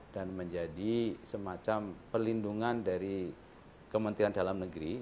dan menjadi semacam perlindungan dari kementerian dalam negeri